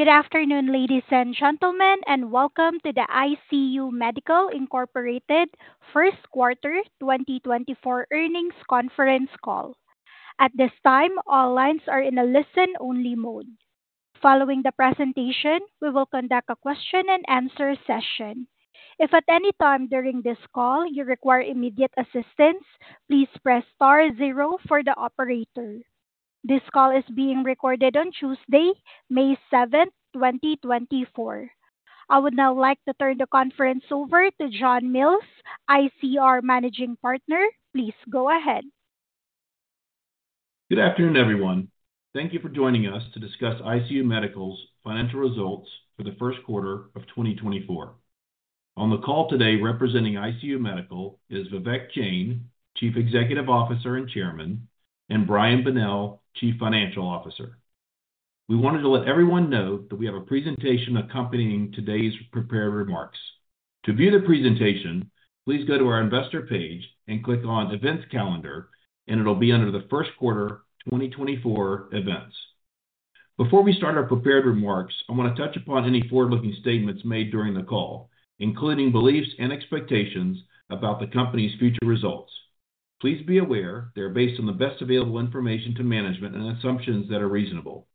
Good afternoon, ladies and gentlemen, and welcome to the ICU Medical Inc. first quarter 2024 Earnings Conference Call. At this time, all lines are in a listen-only mode. Following the presentation, we will conduct a question-and-answer session. If at any time during this call you require immediate assistance, please press star 0 for the operator. This call is being recorded on Tuesday, May 7, 2024. I would now like to turn the conference over to John Mills, ICR Managing Partner. Please go ahead. Good afternoon, everyone. Thank you for joining us to discuss ICU Medical's financial results for the first quarter of 2024. On the call today representing ICU Medical is Vivek Jain, Chief Executive Officer and Chairman, and Brian Bonnell, Chief Financial Officer. We wanted to let everyone know that we have a presentation accompanying today's prepared remarks. To view the presentation, please go to our investor page and click on Events Calendar, and it'll be under the first quarter 2024 events. Before we start our prepared remarks, I want to touch upon any forward-looking statements made during the call, including beliefs and expectations about the company's future results. Please be aware they are based on the best available information to management and assumptions that are reasonable.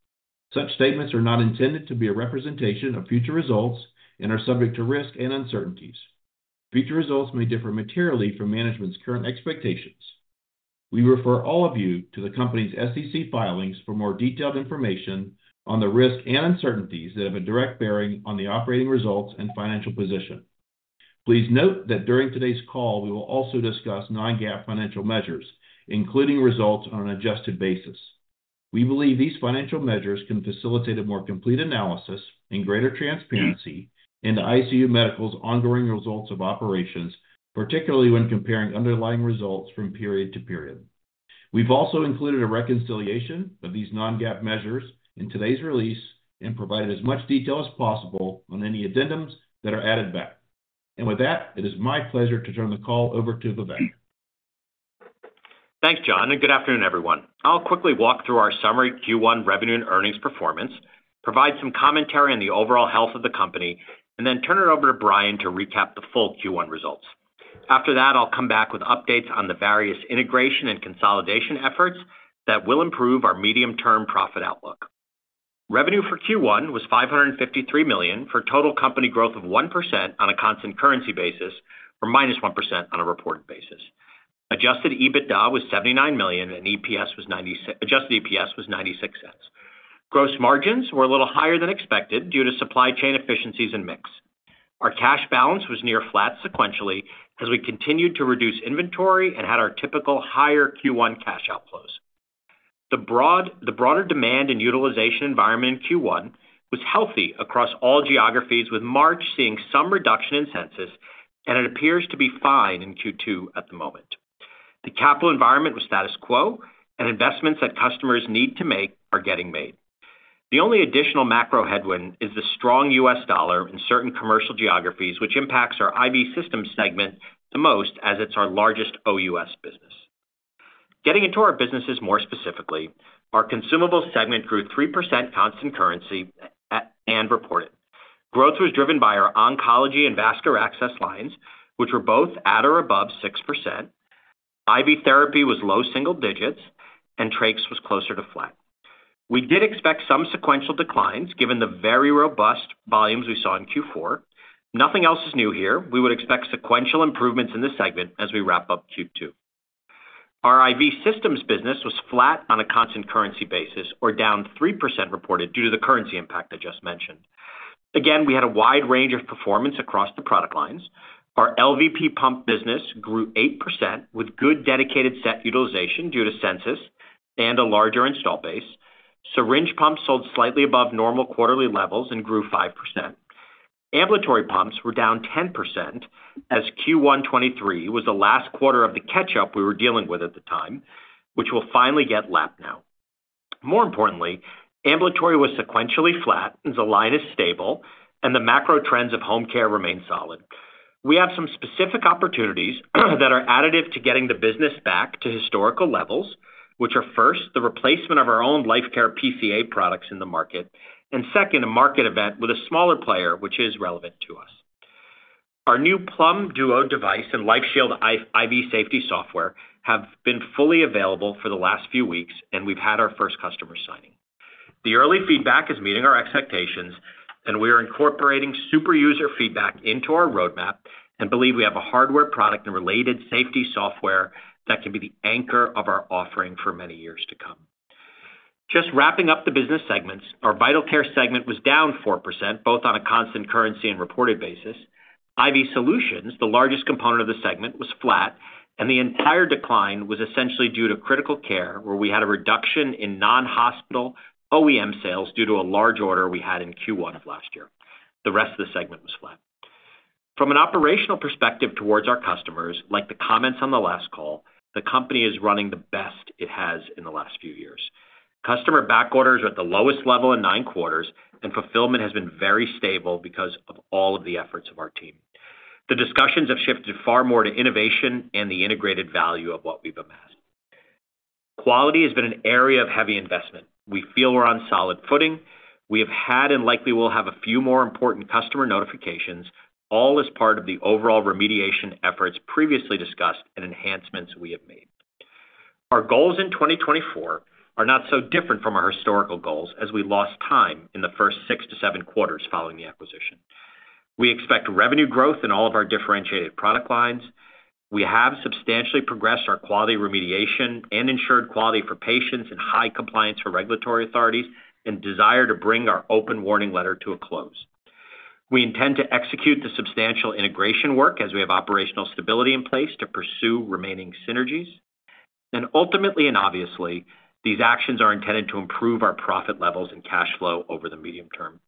Such statements are not intended to be a representation of future results and are subject to risk and uncertainties. Future results may differ materially from management's current expectations. We refer all of you to the company's SEC filings for more detailed information on the risk and uncertainties that have a direct bearing on the operating results and financial position. Please note that during today's call we will also discuss non-GAAP financial measures, including results on an adjusted basis. We believe these financial measures can facilitate a more complete analysis and greater transparency in ICU Medical's ongoing results of operations, particularly when comparing underlying results from period to period. We've also included a reconciliation of these non-GAAP measures in today's release and provided as much detail as possible on any addendums that are added back. With that, it is my pleasure to turn the call over to Vivek. Thanks, John, and good afternoon, everyone. I'll quickly walk through our summary Q1 revenue and earnings performance, provide some commentary on the overall health of the company, and then turn it over to Brian to recap the full Q1 results. After that, I'll come back with updates on the various integration and consolidation efforts that will improve our medium-term profit outlook. Revenue for Q1 was $553 million for total company growth of 1% on a constant currency basis or -1% on a reported basis. Adjusted EBITDA was $79 million and adjusted EPS was $0.96. Gross margins were a little higher than expected due to supply chain efficiencies and mix. Our cash balance was near flat sequentially as we continued to reduce inventory and had our typical higher Q1 cash outflows. The broader demand and utilization environment in Q1 was healthy across all geographies, with March seeing some reduction in census, and it appears to be fine in Q2 at the moment. The capital environment was status quo, and investments that customers need to make are getting made. The only additional macro headwind is the strong U.S. dollar in certain commercial geographies, which impacts our IV systems segment the most as it's our largest OUS business. Getting into our businesses more specifically, our consumables segment grew 3% constant currency and reported. Growth was driven by our oncology and vascular access lines, which were both at or above 6%. IV therapy was low single digits, and trays was closer to flat. We did expect some sequential declines given the very robust volumes we saw in Q4. Nothing else is new here. We would expect sequential improvements in the segment as we wrap up Q2. Our IV systems business was flat on a constant currency basis or down 3% reported due to the currency impact I just mentioned. Again, we had a wide range of performance across the product lines. Our LVP pump business grew 8% with good dedicated set utilization due to census and a larger install base. Syringe pumps sold slightly above normal quarterly levels and grew 5%. Ambulatory pumps were down 10% as Q1 2023 was the last quarter of the catch-up we were dealing with at the time, which will finally get lapped now. More importantly, ambulatory was sequentially flat as the line is stable and the macro trends of home care remain solid. We have some specific opportunities that are additive to getting the business back to historical levels, which are first, the replacement of our own LifeCare PCA products in the market, and second, a market event with a smaller player which is relevant to us. Our new Plum Duo device and LifeShield IV safety software have been fully available for the last few weeks, and we've had our first customer signing. The early feedback is meeting our expectations, and we are incorporating super user feedback into our roadmap and believe we have a hardware product and related safety software that can be the anchor of our offering for many years to come. Just wrapping up the business segments, our vital care segment was down 4% both on a constant currency and reported basis. IV solutions, the largest component of the segment, was flat, and the entire decline was essentially due to critical care where we had a reduction in non-hospital OEM sales due to a large order we had in Q1 of last year. The rest of the segment was flat. From an operational perspective towards our customers, like the comments on the last call, the company is running the best it has in the last few years. Customer back orders are at the lowest level in nine quarters, and fulfillment has been very stable because of all of the efforts of our team. The discussions have shifted far more to innovation and the integrated value of what we've amassed. Quality has been an area of heavy investment. We feel we're on solid footing. We have had and likely will have a few more important customer notifications, all as part of the overall remediation efforts previously discussed and enhancements we have made. Our goals in 2024 are not so different from our historical goals as we lost time in the first 6-7 quarters following the acquisition. We expect revenue growth in all of our differentiated product lines. We have substantially progressed our quality remediation and ensured quality for patients and high compliance for regulatory authorities and desire to bring our open Warning Letter to a close. We intend to execute the substantial integration work as we have operational stability in place to pursue remaining synergies. Ultimately and obviously, these actions are intended to improve our profit levels and cash flow over the medium term.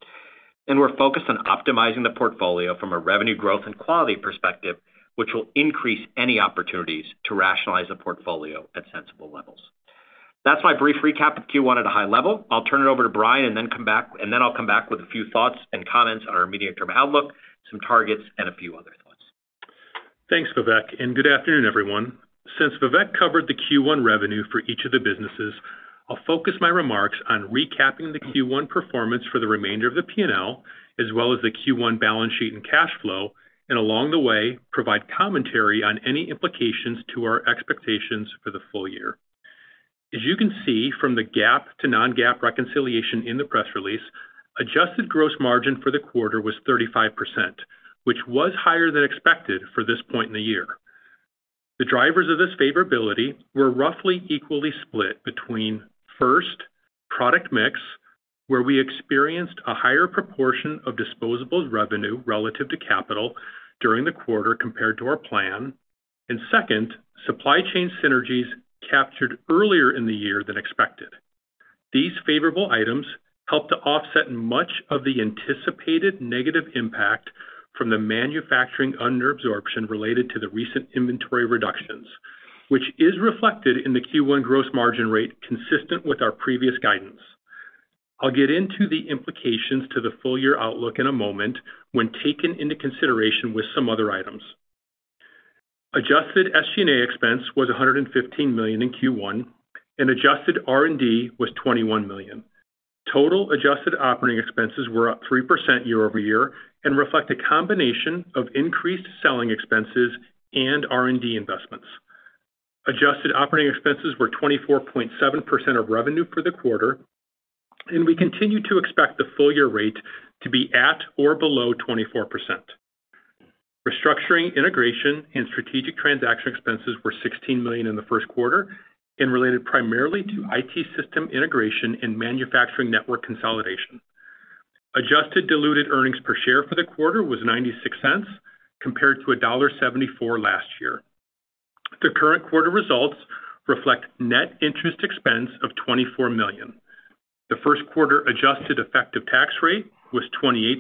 And we're focused on optimizing the portfolio from a revenue growth and quality perspective, which will increase any opportunities to rationalize the portfolio at sensible levels. That's my brief recap of Q1 at a high level. I'll turn it over to Brian and then come back and then I'll come back with a few thoughts and comments on our medium-term outlook, some targets, and a few other thoughts. Thanks, Vivek, and good afternoon, everyone. Since Vivek covered the Q1 revenue for each of the businesses, I'll focus my remarks on recapping the Q1 performance for the remainder of the P&L as well as the Q1 balance sheet and cash flow, and along the way, provide commentary on any implications to our expectations for the full year. As you can see from the GAAP to non-GAAP reconciliation in the press release, adjusted gross margin for the quarter was 35%, which was higher than expected for this point in the year. The drivers of this favorability were roughly equally split between first, product mix, where we experienced a higher proportion of disposables revenue relative to capital during the quarter compared to our plan, and second, supply chain synergies captured earlier in the year than expected. These favorable items helped to offset much of the anticipated negative impact from the manufacturing under absorption related to the recent inventory reductions, which is reflected in the Q1 gross margin rate consistent with our previous guidance. I'll get into the implications to the full year outlook in a moment when taken into consideration with some other items. Adjusted SG&A expense was $115 million in Q1, and adjusted R&D was $21 million. Total adjusted operating expenses were up 3% year-over-year and reflect a combination of increased selling expenses and R&D investments. Adjusted operating expenses were 24.7% of revenue for the quarter, and we continue to expect the full year rate to be at or below 24%. Restructuring, integration, and strategic transaction expenses were $16 million in the first quarter and related primarily to IT system integration and manufacturing network consolidation. Adjusted diluted earnings per share for the quarter was $0.96 compared to $1.74 last year. The current quarter results reflect net interest expense of $24 million. The first quarter adjusted effective tax rate was 28%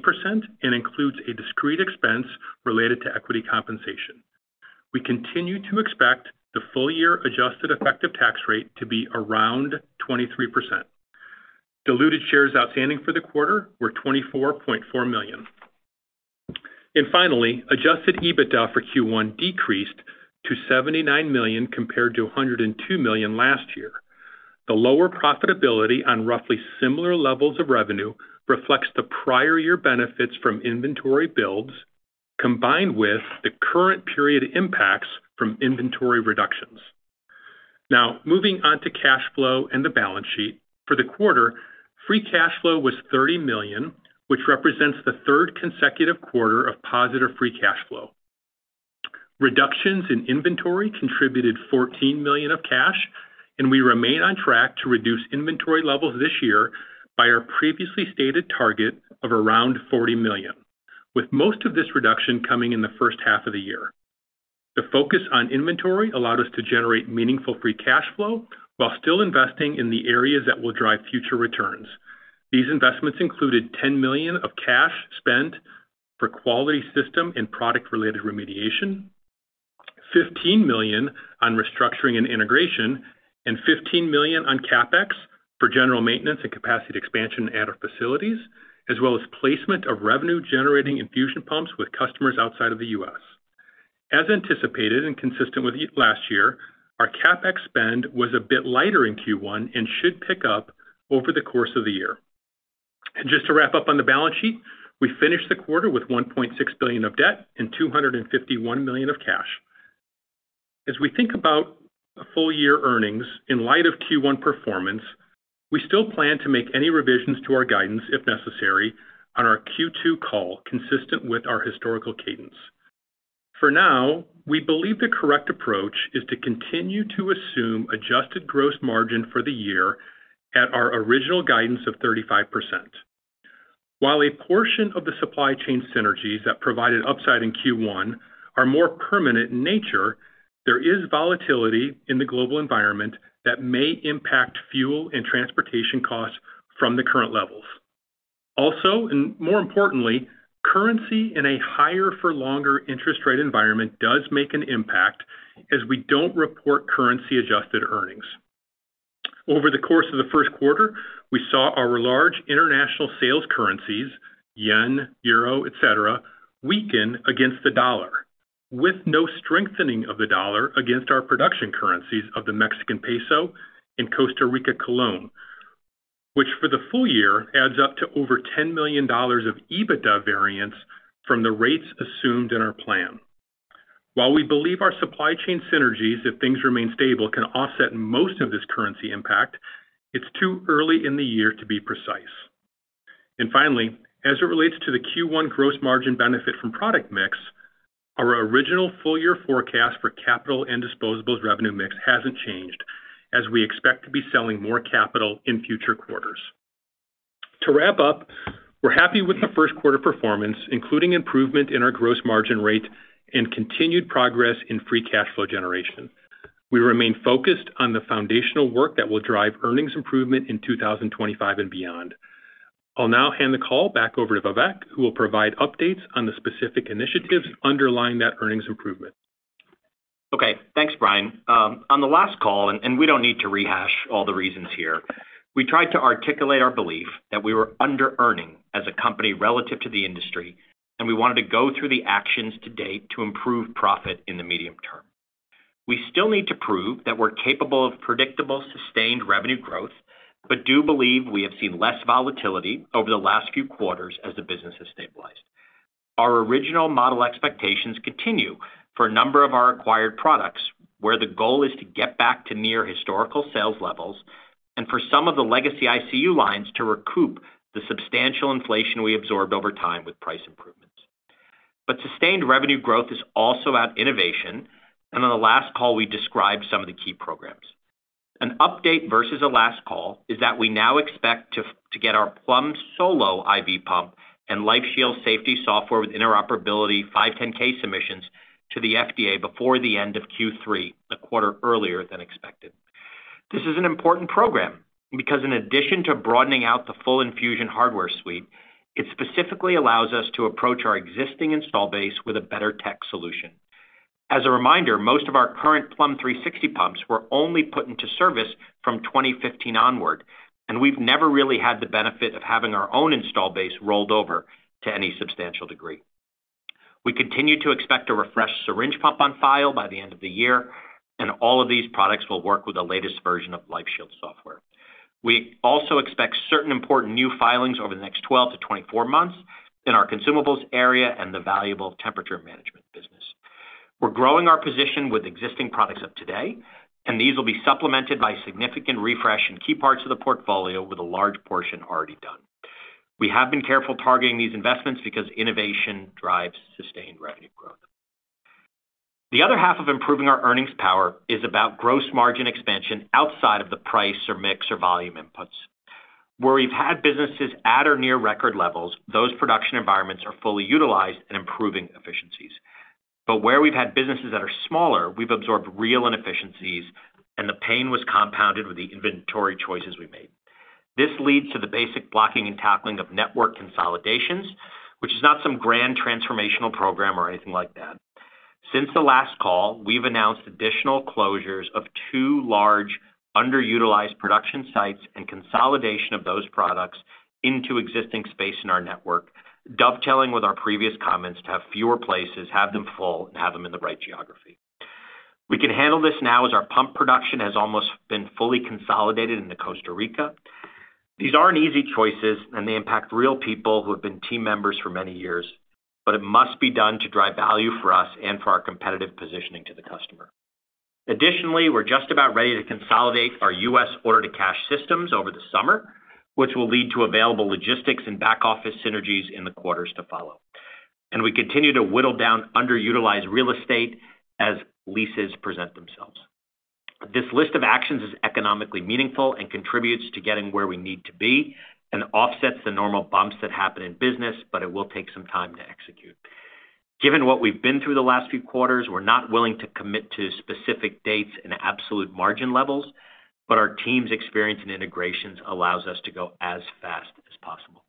and includes a discrete expense related to equity compensation. We continue to expect the full year adjusted effective tax rate to be around 23%. Diluted shares outstanding for the quarter were 24.4 million. Finally, adjusted EBITDA for Q1 decreased to $79 million compared to $102 million last year. The lower profitability on roughly similar levels of revenue reflects the prior year benefits from inventory builds combined with the current period impacts from inventory reductions. Now, moving on to cash flow and the balance sheet. For the quarter, free cash flow was $30 million, which represents the third consecutive quarter of positive free cash flow. Reductions in inventory contributed $14 million of cash, and we remain on track to reduce inventory levels this year by our previously stated target of around $40 million, with most of this reduction coming in the first half of the year. The focus on inventory allowed us to generate meaningful free cash flow while still investing in the areas that will drive future returns. These investments included $10 million of cash spent for quality system and product-related remediation, $15 million on restructuring and integration, and $15 million on CapEx for general maintenance and capacity expansion at our facilities, as well as placement of revenue-generating infusion pumps with customers outside of the U.S. As anticipated and consistent with last year, our CapEx spend was a bit lighter in Q1 and should pick up over the course of the year. Just to wrap up on the balance sheet, we finished the quarter with $1.6 billion of debt and $251 million of cash. As we think about full year earnings, in light of Q1 performance, we still plan to make any revisions to our guidance if necessary on our Q2 call consistent with our historical cadence. For now, we believe the correct approach is to continue to assume adjusted gross margin for the year at our original guidance of 35%. While a portion of the supply chain synergies that provided upside in Q1 are more permanent in nature, there is volatility in the global environment that may impact fuel and transportation costs from the current levels. Also, and more importantly, currency in a higher-for-longer interest rate environment does make an impact as we don't report currency-adjusted earnings. Over the course of the first quarter, we saw our large international sales currencies yen, euro, etc., weaken against the dollar, with no strengthening of the dollar against our production currencies of the Mexican peso and the Costa Rican colón, which for the full year adds up to over $10 million of EBITDA variance from the rates assumed in our plan. While we believe our supply chain synergies, if things remain stable, can offset most of this currency impact, it's too early in the year to be precise. Finally, as it relates to the Q1 gross margin benefit from product mix, our original full year forecast for capital and disposables revenue mix hasn't changed as we expect to be selling more capital in future quarters. To wrap up, we're happy with the first quarter performance, including improvement in our gross margin rate and continued progress in free cash flow generation. We remain focused on the foundational work that will drive earnings improvement in 2025 and beyond. I'll now hand the call back over to Vivek, who will provide updates on the specific initiatives underlying that earnings improvement. Okay. Thanks, Brian. On the last call, and we don't need to rehash all the reasons here, we tried to articulate our belief that we were under-earning as a company relative to the industry, and we wanted to go through the actions to date to improve profit in the medium term. We still need to prove that we're capable of predictable, sustained revenue growth, but do believe we have seen less volatility over the last few quarters as the business has stabilized. Our original model expectations continue for a number of our acquired products where the goal is to get back to near-historical sales levels and for some of the legacy ICU lines to recoup the substantial inflation we absorbed over time with price improvements. But sustained revenue growth is also about innovation, and on the last call, we described some of the key programs. An update versus a last call is that we now expect to get our Plum Solo IV pump and LifeShield safety software with interoperability 510K submissions to the FDA before the end of Q3, a quarter earlier than expected. This is an important program because, in addition to broadening out the full infusion hardware suite, it specifically allows us to approach our existing install base with a better tech solution. As a reminder, most of our current Plum 360 pumps were only put into service from 2015 onward, and we've never really had the benefit of having our own install base rolled over to any substantial degree. We continue to expect a refreshed syringe pump on file by the end of the year, and all of these products will work with the latest version of LifeShield software. We also expect certain important new filings over the next 12-24 months in our consumables area and the valuable temperature management business. We're growing our position with existing products of today, and these will be supplemented by significant refresh in key parts of the portfolio with a large portion already done. We have been careful targeting these investments because innovation drives sustained revenue growth. The other half of improving our earnings power is about gross margin expansion outside of the price or mix or volume inputs. Where we've had businesses at or near record levels, those production environments are fully utilized and improving efficiencies. But where we've had businesses that are smaller, we've absorbed real inefficiencies, and the pain was compounded with the inventory choices we made. This leads to the basic blocking and tackling of network consolidations, which is not some grand transformational program or anything like that. Since the last call, we've announced additional closures of two large underutilized production sites and consolidation of those products into existing space in our network, dovetailing with our previous comments to have fewer places, have them full, and have them in the right geography. We can handle this now as our pump production has almost been fully consolidated into Costa Rica. These aren't easy choices, and they impact real people who have been team members for many years, but it must be done to drive value for us and for our competitive positioning to the customer. Additionally, we're just about ready to consolidate our U.S. order-to-cash systems over the summer, which will lead to available logistics and back-office synergies in the quarters to follow. And we continue to whittle down underutilized real estate as leases present themselves. This list of actions is economically meaningful and contributes to getting where we need to be and offsets the normal bumps that happen in business, but it will take some time to execute. Given what we've been through the last few quarters, we're not willing to commit to specific dates and absolute margin levels, but our team's experience in integrations allows us to go as fast as possible.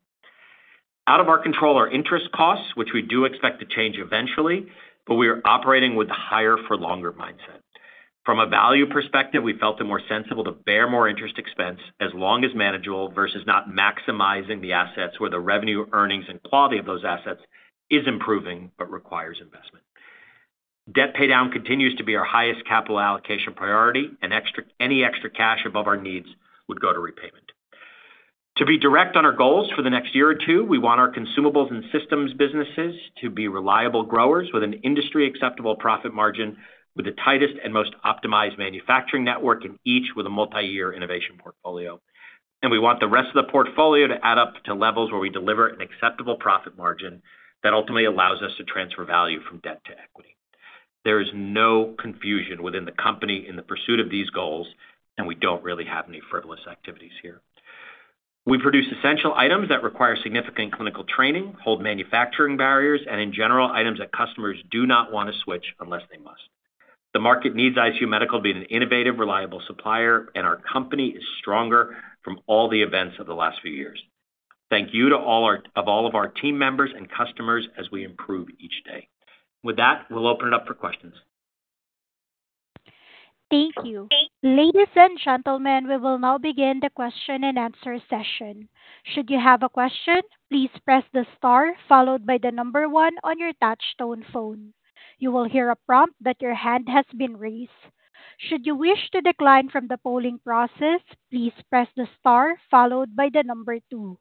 Out of our control are interest costs, which we do expect to change eventually, but we are operating with the higher-for-longer mindset. From a value perspective, we felt it more sensible to bear more interest expense as long as manageable versus not maximizing the assets where the revenue, earnings, and quality of those assets is improving but requires investment. Debt paydown continues to be our highest capital allocation priority, and any extra cash above our needs would go to repayment. To be direct on our goals for the next year or two, we want our consumables and systems businesses to be reliable growers with an industry-acceptable profit margin, with the tightest and most optimized manufacturing network in each with a multi-year innovation portfolio. And we want the rest of the portfolio to add up to levels where we deliver an acceptable profit margin that ultimately allows us to transfer value from debt to equity. There is no confusion within the company in the pursuit of these goals, and we don't really have any frivolous activities here. We produce essential items that require significant clinical training, hold manufacturing barriers, and in general, items that customers do not want to switch unless they must. The market needs ICU Medical to be an innovative, reliable supplier, and our company is stronger from all the events of the last few years. Thank you to all of our team members and customers as we improve each day. With that, we'll open it up for questions. Thank you. Ladies and gentlemen, we will now begin the question-and-answer session. Should you have a question, please press the star followed by the number 1 on your touchtone phone. You will hear a prompt that your hand has been raised. Should you wish to decline from the polling process, please press the star followed by the number 2.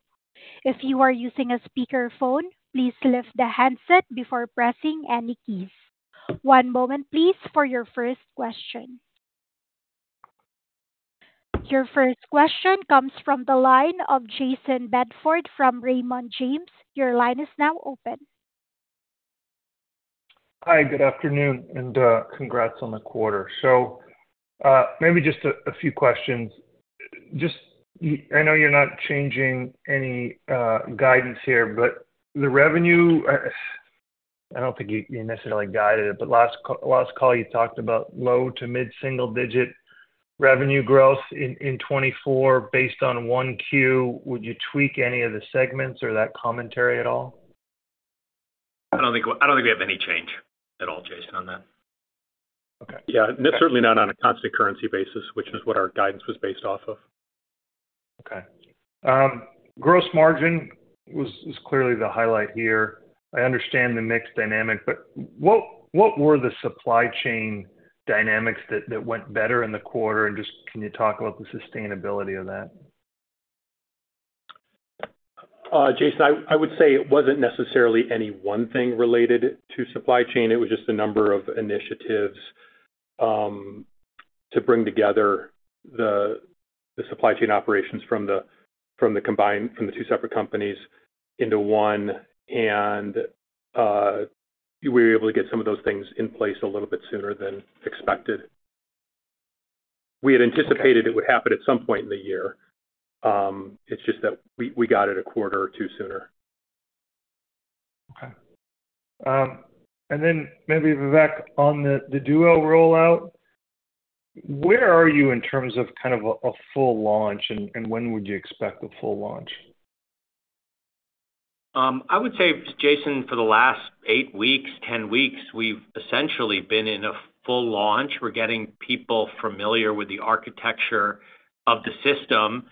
If you are using a speakerphone, please lift the handset before pressing any keys. One moment, please, for your first question. Your first question comes from the line of Jason Bedford from Raymond James. Your line is now open. Hi. Good afternoon and congrats on the quarter. Maybe just a few questions. I know you're not changing any guidance here, but the revenue I don't think you necessarily guided it, but last call you talked about low- to mid-single-digit revenue growth in 2024 based on Q1. Would you tweak any of the segments or that commentary at all? I don't think we have any change at all, Jason, on that. Okay. Yeah. Certainly not on a constant currency basis, which is what our guidance was based off of. Okay. Gross margin was clearly the highlight here. I understand the mixed dynamic, but what were the supply chain dynamics that went better in the quarter? And just can you talk about the sustainability of that? Jason, I would say it wasn't necessarily any one thing related to supply chain. It was just a number of initiatives to bring together the supply chain operations from the two separate companies into one, and we were able to get some of those things in place a little bit sooner than expected. We had anticipated it would happen at some point in the year. It's just that we got it a quarter or two sooner. Okay. Then maybe, Vivek, on the Duo rollout, where are you in terms of kind of a full launch, and when would you expect the full launch? I would say, Jason, for the last 8 weeks, 10 weeks, we've essentially been in a full launch. We're getting people familiar with the architecture of the system,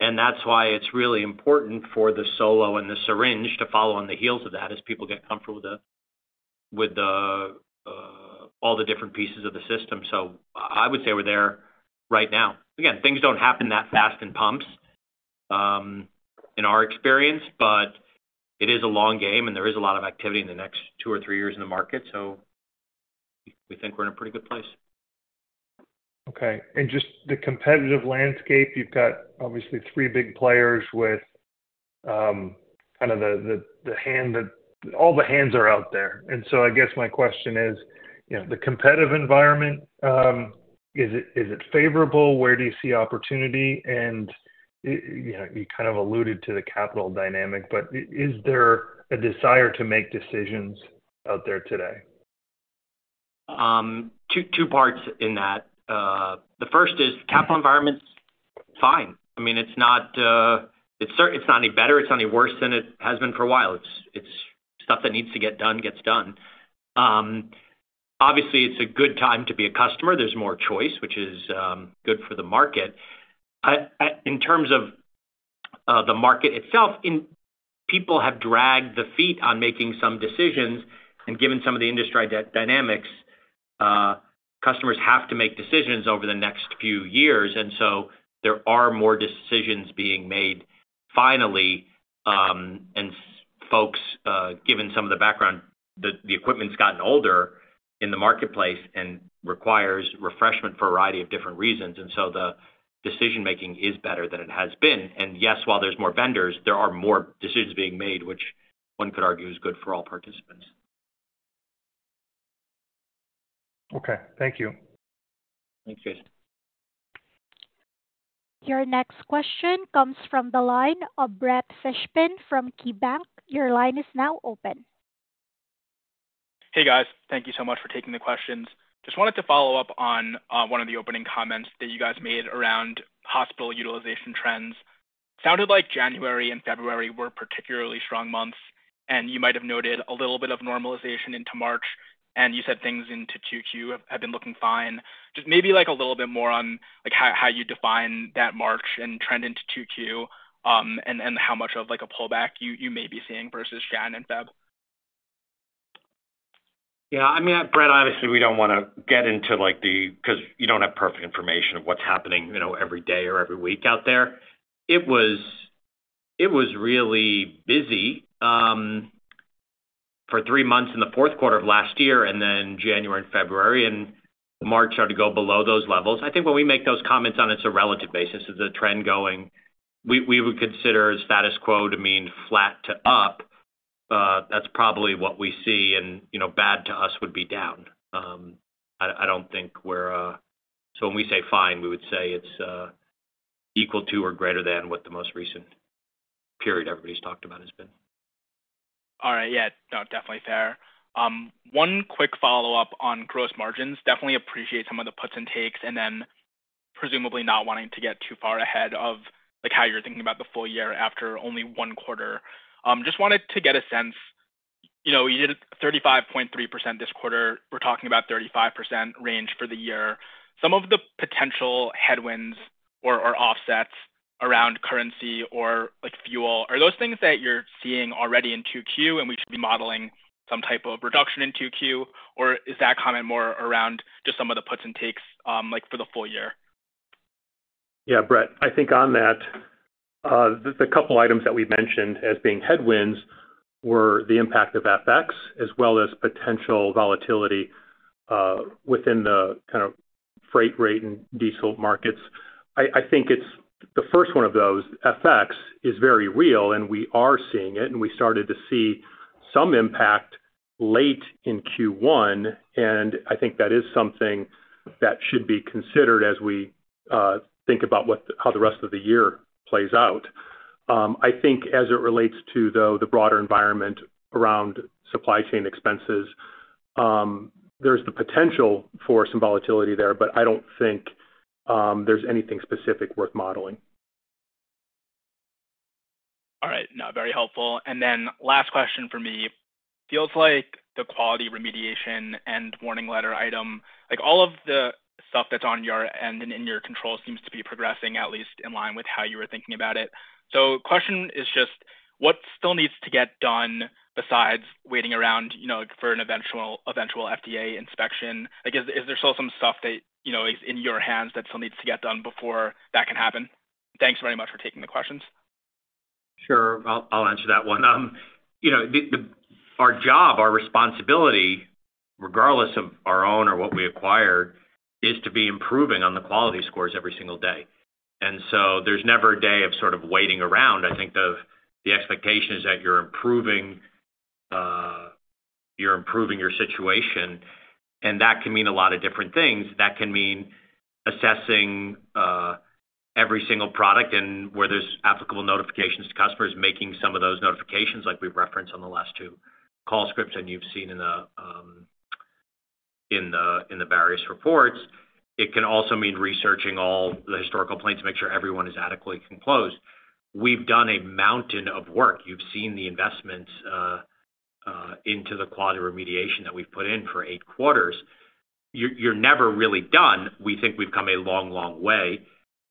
and that's why it's really important for the Solo and the syringe to follow on the heels of that as people get comfortable with all the different pieces of the system. So I would say we're there right now. Again, things don't happen that fast in pumps in our experience, but it is a long game, and there is a lot of activity in the next two or three years in the market, so we think we're in a pretty good place. Okay. And just the competitive landscape, you've got obviously three big players with kind of the hand that all the hands are out there. And so I guess my question is, the competitive environment, is it favorable? Where do you see opportunity? And you kind of alluded to the capital dynamic, but is there a desire to make decisions out there today? Two parts in that. The first is capital environment's fine. I mean, it's not any better. It's not any worse than it has been for a while. It's stuff that needs to get done, gets done. Obviously, it's a good time to be a customer. There's more choice, which is good for the market. In terms of the market itself, people have dragged the feet on making some decisions, and given some of the industry dynamics, customers have to make decisions over the next few years. And so there are more decisions being made finally. And folks, given some of the background, the equipment's gotten older in the marketplace and requires refreshment for a variety of different reasons. And so the decision-making is better than it has been. And yes, while there's more vendors, there are more decisions being made, which one could argue is good for all participants. Okay. Thank you. Thanks, Jason. Your next question comes from the line of Brett Fishpin from KeyBanc. Your line is now open. Hey, guys. Thank you so much for taking the questions. Just wanted to follow up on one of the opening comments that you guys made around hospital utilization trends. Sounded like January and February were particularly strong months, and you might have noted a little bit of normalization into March, and you said things into 2Q have been looking fine. Just maybe a little bit more on how you define that March and trend into 2Q and how much of a pullback you may be seeing versus Jan and Feb? Yeah. I mean, Brett, obviously, we don't want to get into the because you don't have perfect information of what's happening every day or every week out there. It was really busy for three months in the fourth quarter of last year and then January and February, and March started to go below those levels. I think when we make those comments on it's a relative basis. Is the trend going we would consider status quo to mean flat to up. That's probably what we see, and bad to us would be down. I don't think we're so when we say fine, we would say it's equal to or greater than what the most recent period everybody's talked about has been. All right. Yeah. No, definitely fair. One quick follow-up on gross margins. Definitely appreciate some of the puts and takes and then presumably not wanting to get too far ahead of how you're thinking about the full year after only one quarter. Just wanted to get a sense. You did 35.3% this quarter. We're talking about 35% range for the year. Some of the potential headwinds or offsets around currency or fuel, are those things that you're seeing already in 2Q and we should be modeling some type of reduction in 2Q, or is that comment more around just some of the puts and takes for the full year? Yeah, Brett, I think on that, the couple items that we mentioned as being headwinds were the impact of FX as well as potential volatility within the kind of freight rate and diesel markets. I think the first one of those, FX, is very real, and we are seeing it, and we started to see some impact late in Q1, and I think that is something that should be considered as we think about how the rest of the year plays out. I think as it relates to, though, the broader environment around supply chain expenses, there's the potential for some volatility there, but I don't think there's anything specific worth modeling. All right. No, very helpful. And then last question for me. Feels like the quality remediation and Warning Letter item, all of the stuff that's on your end and in your control seems to be progressing, at least in line with how you were thinking about it. So question is just, what still needs to get done besides waiting around for an eventual FDA inspection? Is there still some stuff that is in your hands that still needs to get done before that can happen? Thanks very much for taking the questions. Sure. I'll answer that one. Our job, our responsibility, regardless of our own or what we acquired, is to be improving on the quality scores every single day. And so there's never a day of sort of waiting around. I think the expectation is that you're improving your situation, and that can mean a lot of different things. That can mean assessing every single product and where there's applicable notifications to customers, making some of those notifications like we've referenced on the last two calls and you've seen in the various reports. It can also mean researching all the historical plans to make sure everyone is adequately informed. We've done a mountain of work. You've seen the investments into the quality remediation that we've put in for eight quarters. You're never really done. We think we've come a long, long way,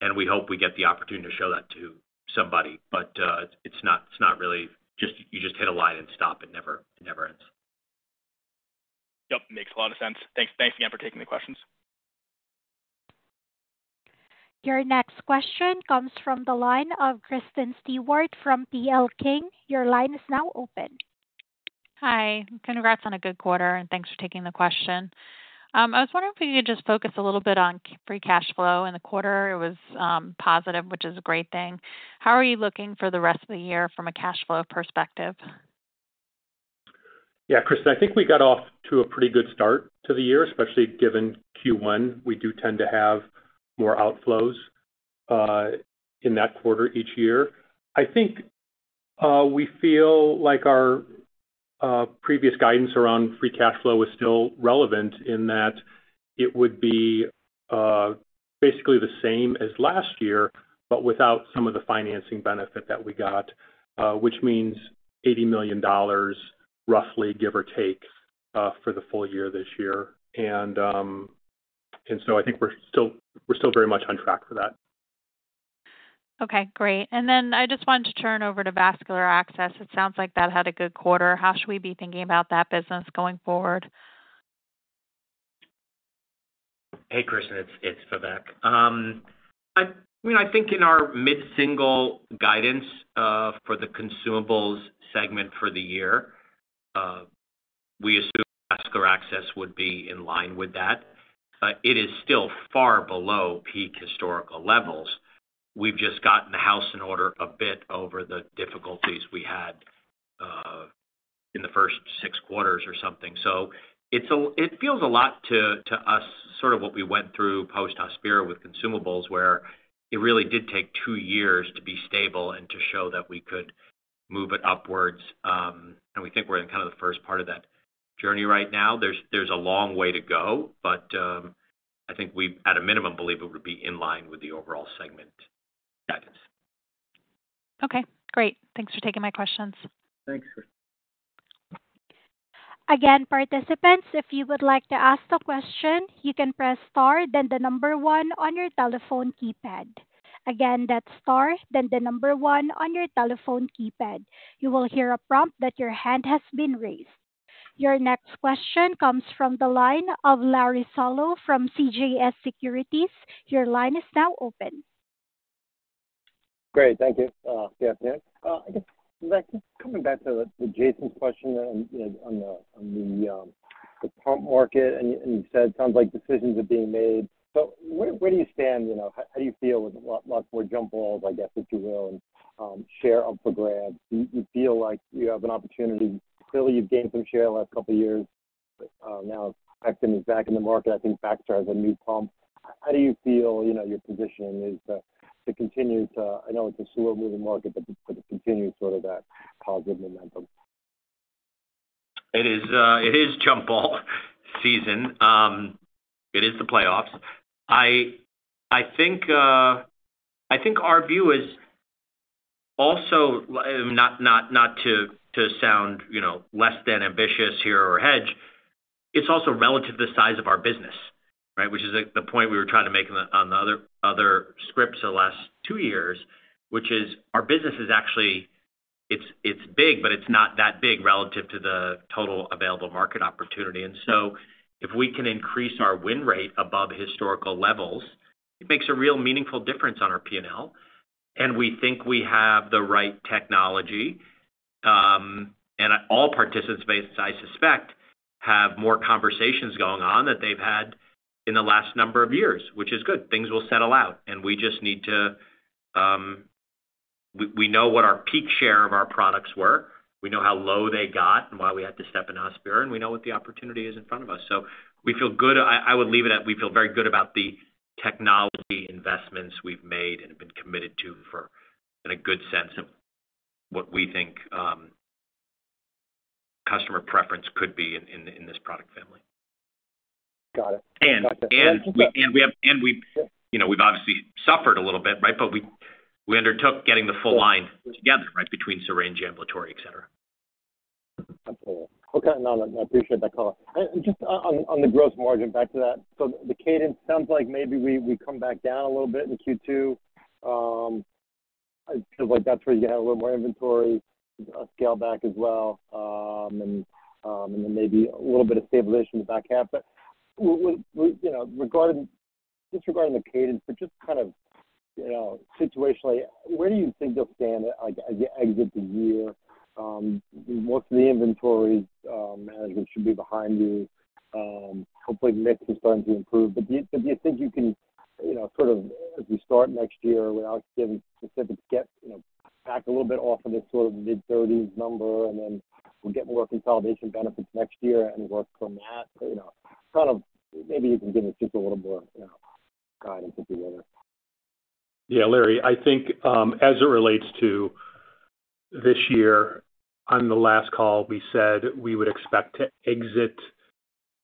and we hope we get the opportunity to show that to somebody. But it's not really just you just hit a line and stop. It never ends. Yep. Makes a lot of sense. Thanks again for taking the questions. Your next question comes from the line of Kristen Stewart from CL King. Your line is now open. Hi. Congrats on a good quarter, and thanks for taking the question. I was wondering if we could just focus a little bit on free cash flow in the quarter. It was positive, which is a great thing. How are you looking for the rest of the year from a cash flow perspective? Yeah, Kristen, I think we got off to a pretty good start to the year, especially given Q1. We do tend to have more outflows in that quarter each year. I think we feel like our previous guidance around free cash flow is still relevant in that it would be basically the same as last year but without some of the financing benefit that we got, which means $80 million, roughly, give or take, for the full year this year. And so I think we're still very much on track for that. Okay. Great. And then I just wanted to turn over to Vascular Access. It sounds like that had a good quarter. How should we be thinking about that business going forward? Hey, Kristen. It's Vivek. I mean, I think in our mid-single guidance for the consumables segment for the year, we assume Vascular Access would be in line with that. It is still far below peak historical levels. We've just gotten the house in order a bit over the difficulties we had in the first six quarters or something. So it feels a lot to us sort of what we went through post-Hospira with consumables where it really did take two years to be stable and to show that we could move it upwards. And we think we're in kind of the first part of that journey right now. There's a long way to go, but I think we, at a minimum, believe it would be in line with the overall segment guidance. Okay. Great. Thanks for taking my questions. Thanks, Kristen. Again, participants, if you would like to ask the question, you can press star, then the number one on your telephone keypad. Again, that's star, then the number one on your telephone keypad. You will hear a prompt that your hand has been raised. Your next question comes from the line of Larry Solow from CJS Securities. Your line is now open. Great. Thank you, Jason. I guess, Vivek, coming back to Jason's question on the pump market, and you said it sounds like decisions are being made. So where do you stand? How do you feel with a lot more jump balls, I guess, if you will, and share up for grabs? Do you feel like you have an opportunity? Clearly, you've gained some share the last couple of years. Now, Becton is back in the market. I think Baxter has a new pump. How do you feel your position is to continue to? I know it's a slow-moving market, but to continue sort of that positive momentum? It is jump ball season. It is the playoffs. I think our view is also not to sound less than ambitious here or hedge; it's also relative to the size of our business, right, which is the point we were trying to make on the other scripts the last two years, which is our business is actually it's big, but it's not that big relative to the total available market opportunity. And so if we can increase our win rate above historical levels, it makes a real meaningful difference on our P&L. And we think we have the right technology. And all participants, I suspect, have more conversations going on that they've had in the last number of years, which is good. Things will settle out, and we just need to know what our peak share of our products were. We know how low they got and why we had to step in Hospira, and we know what the opportunity is in front of us. So we feel good. I would leave it at we feel very good about the technology investments we've made and have been committed to for a good sense of what we think customer preference could be in this product family. Got it. We've obviously suffered a little bit, right, but we undertook getting the full line together, right, between syringe, ambulatory, etc. Absolutely. Okay. No, no. I appreciate that call. And just on the gross margin, back to that. So the cadence sounds like maybe we come back down a little bit in Q2. It feels like that's where you had a little more inventory, a scale back as well, and then maybe a little bit of stabilization in the back half. But just regarding the cadence, but just kind of situationally, where do you think you'll stand as you exit the year? Most of the inventory management should be behind you. Hopefully, mix is starting to improve. But do you think you can sort of as we start next year without giving specifics, get back a little bit off of this sort of mid-30s number, and then we'll get more consolidation benefits next year and work from that? Kind of maybe you can give us just a little more guidance if you will. Yeah, Larry, I think as it relates to this year, on the last call, we said we would expect to exit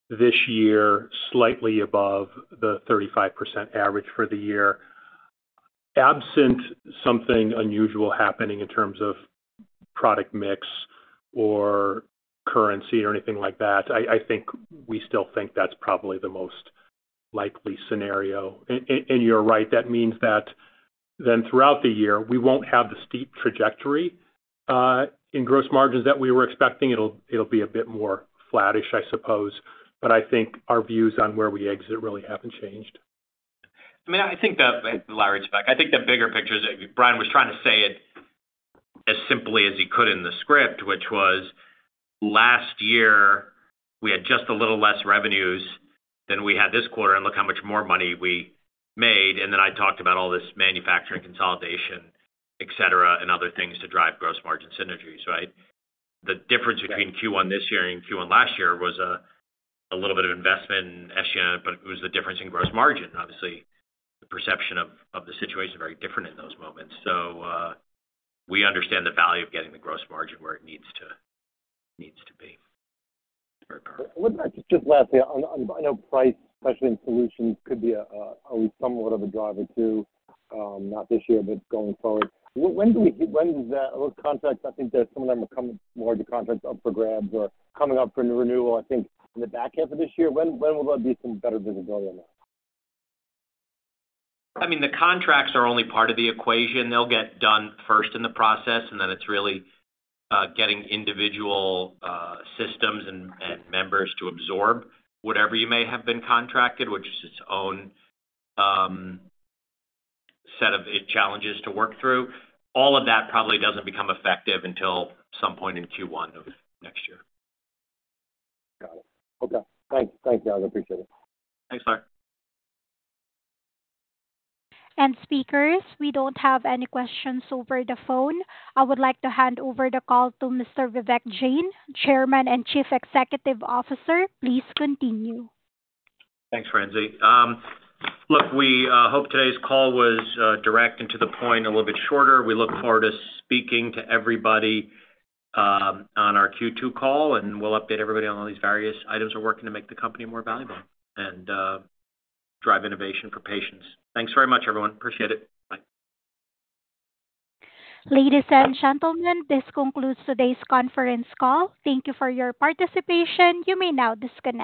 this year slightly above the 35% average for the year. Absent something unusual happening in terms of product mix or currency or anything like that, I think we still think that's probably the most likely scenario. And you're right. That means that then throughout the year, we won't have the steep trajectory in gross margins that we were expecting. It'll be a bit more flatish, I suppose. But I think our views on where we exit really haven't changed. I mean, I think that Larry's back. I think the bigger picture is Brian was trying to say it as simply as he could in the script, which was last year, we had just a little less revenues than we had this quarter and look how much more money we made. And then I talked about all this manufacturing consolidation, etc., and other things to drive gross margin synergies, right? The difference between Q1 this year and Q1 last year was a little bit of investment in Eschia, but it was the difference in gross margin. Obviously, the perception of the situation is very different in those moments. So we understand the value of getting the gross margin where it needs to be. Very powerful. Just lastly, I know price, especially in solutions, could be at least somewhat of a driver too, not this year, but going forward. When does those contracts, I think some of them are coming larger contracts up for grabs or coming up for renewal, I think, in the back half of this year. When will there be some better visibility on that? I mean, the contracts are only part of the equation. They'll get done first in the process, and then it's really getting individual systems and members to absorb whatever you may have been contracted, which is its own set of challenges to work through. All of that probably doesn't become effective until some point in Q1 of next year. Got it. Okay. Thank you, both. Appreciate it. Thanks, Larry. Speakers, we don't have any questions over the phone. I would like to hand over the call to Mr. Vivek Jain, Chairman and Chief Executive Officer. Please continue. Thanks, Francie. Look, we hope today's call was direct and to the point, a little bit shorter. We look forward to speaking to everybody on our Q2 call, and we'll update everybody on all these various items we're working to make the company more valuable and drive innovation for patients. Thanks very much, everyone. Appreciate it. Bye. Ladies and gentlemen, this concludes today's conference call. Thank you for your participation. You may now disconnect.